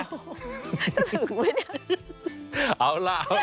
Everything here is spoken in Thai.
จะถึงหรือนะ